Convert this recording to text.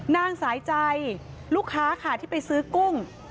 นางสายใจลูกค้าค่ะที่ไปซื้อกุ้ง